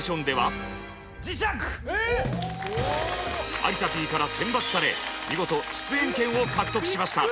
有田Ｐから選抜され見事出演権を獲得しました！